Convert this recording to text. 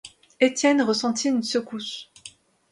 Étienne ressentit une secousse.